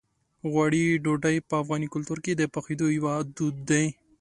غوړي ډوډۍ په افغاني کلتور کې د پخېدو یو دود دی.